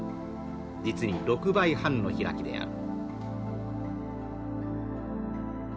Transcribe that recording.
実に６倍半の開きである」。